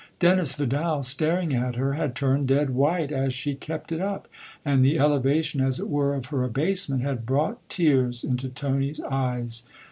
Dennis Vidal, staring at her, had turned dead white as she kept it up, and the elevation, as it were, of her abasement had brought tears into Tony's eyes.